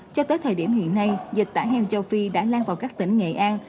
cho tới thời điểm hiện nay dịch tả heo châu phi đã lan vào các tỉnh nghệ an